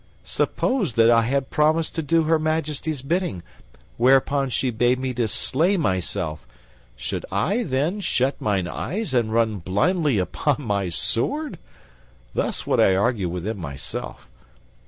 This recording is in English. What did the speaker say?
Suppose that I had promised to do Her Majesty's bidding, whereupon she bade me to slay myself; should I, then, shut mine eyes and run blindly upon my sword? Thus would I argue within myself.